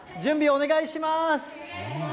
お願いします。